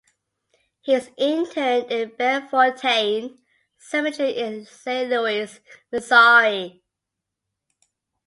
He is interred in Bellefontaine Cemetery in Saint Louis, Missouri.